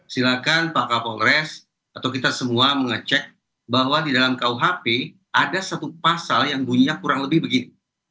silakan pak kapolres atau kita semua mengecek bahwa di dalam kuhp ada satu pasal yang bunyinya kurang lebih begitu